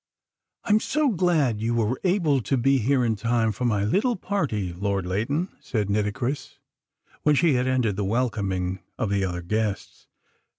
"I'm so glad you were able to be here in time for my little party, Lord Leighton," said Nitocris, when she had ended the welcoming of the other guests.